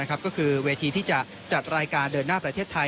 ก็คือเวทีที่จะจัดรายการเดินหน้าประเทศไทย